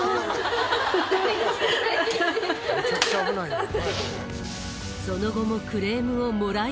めちゃくちゃ危ないやん